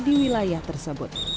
di wilayah tersebut